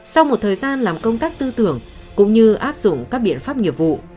sau một thời gian làm công tác tư tưởng cũng như áp dụng các biện pháp nghiệp vụ